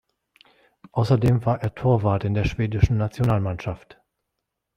Außerdem war er Torwart in der schwedischen Nationalmannschaft.